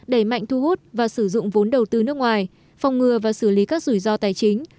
đẩy mạnh thu hút và sử dụng vốn đầu tư nước ngoài phòng ngừa và xử lý các rủi ro tài chính